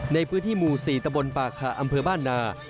ในพื้นที่หมู่๔ตะบนปากขาอำเภอบ้านนา